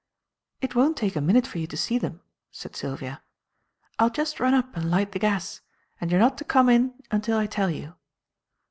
"It won't take a minute for you to see them," said Sylvia. "I'll just run up and light the gas; and you are not to come in until I tell you."